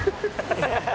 ハハハハ！」